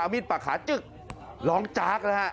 เอามีดปากขาจึ๊กร้องจาก